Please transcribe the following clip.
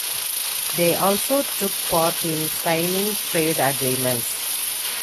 They also took part in signing trade agreements.